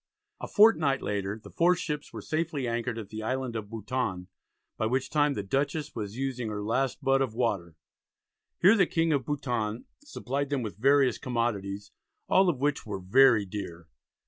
A fortnight later the four ships were safely anchored at the island of Bouton, by which time the Dutchess was using her last butt of water. Here the King of Bouton supplied them with various commodities, all of which "were very dear."